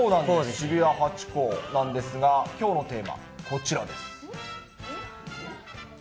渋谷ハチ公なんですが、きょうのテーマ、こちらです。